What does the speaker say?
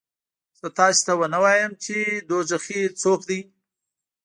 زه تاسې ته ونه وایم چې دوزخي څوک دي؟